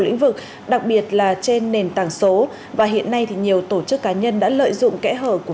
lĩnh vực đặc biệt là trên nền tảng số và hiện nay nhiều tổ chức cá nhân đã lợi dụng kẽ hở của